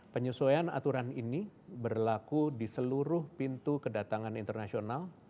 penyesuaian aturan ini berlaku di seluruh pintu kedatangan internasional